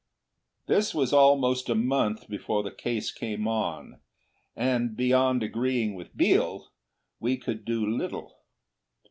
This was almost a month before the case came on; and beyond agreeing with Biel, we could do little.